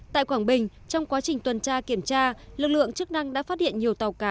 tại quảng bình trong quá trình tuần tra kiểm tra lực lượng chức năng đã phát hiện nhiều tàu cá